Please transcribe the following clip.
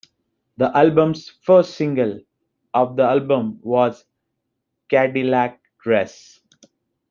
The album's first single of the album was "Cadillac Dress".